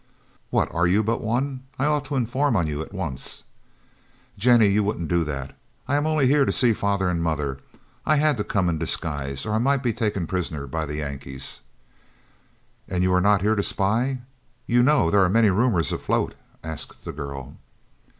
"What are you but one? I ought to inform on you at once." "Jennie, you wouldn't do that. I am only here to see father and mother. I had to come in disguise, or I might be taken prisoner by the Yankees." "And you are not here to spy? You know there are many rumors afloat?" asked the girl.